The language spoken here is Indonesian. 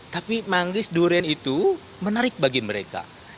tapi manggis durian itu menarik bagi mereka